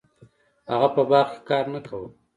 هغه په باغ کې کار نه کاوه.